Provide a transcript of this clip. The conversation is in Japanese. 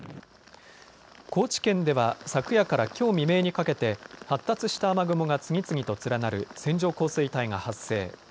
高知県では昨夜からきょう未明にかけて発達した雨雲が次々と連なる線状降水帯が発生。